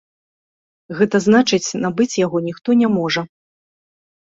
Гэта значыць набыць яго ніхто не можа.